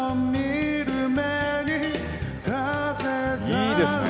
いいですね。